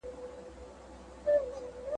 لکه په دښت کي غوړېدلی ګلاب ,